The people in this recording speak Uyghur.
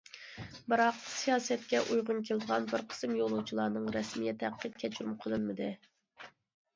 بىراق، سىياسەتكە ئۇيغۇن كېلىدىغان بىر قىسىم يولۇچىلارنىڭ رەسمىيەت ھەققى كەچۈرۈم قىلىنمىدى.